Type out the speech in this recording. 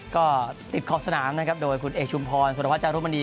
ก็ติดขอบสนามนะครับโดยคุณเอกชุมพรสุรวัจจารุมณี